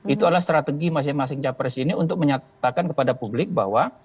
itu adalah strategi masing masing capres ini untuk menyatakan kepada publik bahwa